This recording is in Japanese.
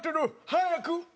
早く！